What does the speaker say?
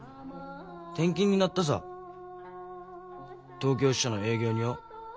転勤になったさ東京支社の営業によ。